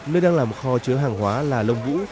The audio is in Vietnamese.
nơi đang làm kho chứa hàng hóa là lông vũ